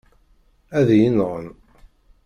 Ad iyi-nɣen.